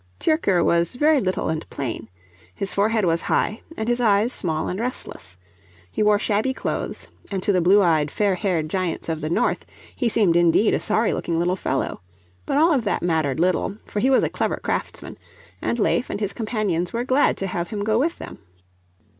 Tyrker was very little and plain. His forehead was high and his eyes small and restless. He wore shabby clothes, and to the blue eyed, fair haired giants of the North he seemed indeed a sorry looking little fellow. But all that mattered little, for he was a clever craftsman, and Leif and his companions were glad to have him go with them.